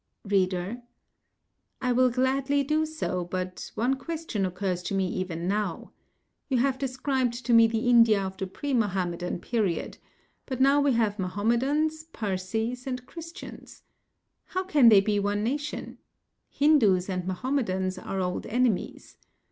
READER: I will gladly do so, but one question occurs to me even now. You have described to me the India of the pre Mahomedan period, but now we have Mahomedans, Parsees and Christians. How can they be one nation? Hindus and Mahomedans are old enemies.